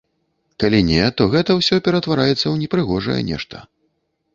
Калі не, то гэта ўсё ператвараецца ў непрыгожае нешта.